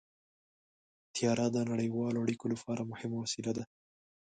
طیاره د نړیوالو اړیکو لپاره مهمه وسیله ده.